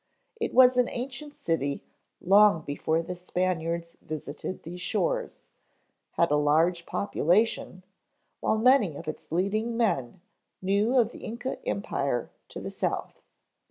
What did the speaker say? It was an ancient city long before the Spaniards visited these shores, had a large population, while many of its leading men knew of the Ynca Empire to the south.